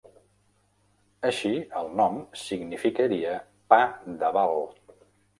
Així, el nom significaria "pa de val".